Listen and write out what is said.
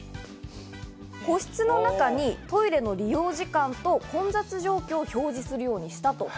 個室の中にトイレの利用時間と混雑状況を表示するようにしたと。